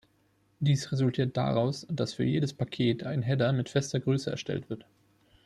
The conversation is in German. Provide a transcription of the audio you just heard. Dies resultiert daraus, dass für jedes Paket ein Header mit fester Größe erstellt wird.